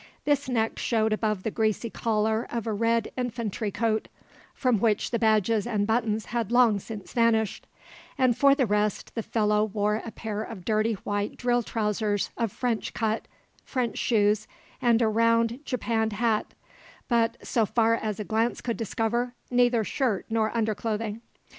This neck showed above the greasy collar of a red infantry coat, from which the badges and buttons had long since vanished; and for the rest the fellow wore a pair of dirty white drill trousers of French cut, French shoes, and a round japanned hat; but, so far as a glance could discover, neither shirt nor underclothing.